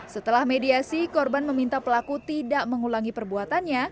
setelah mediasi korban meminta pelaku tidak mengulangi perbuatannya